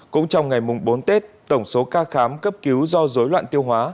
cũng trong ngày mùng bốn tết tổng số ca khám cấp cứu do dối loạn tiêu hóa